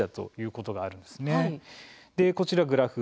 こちらのグラフ。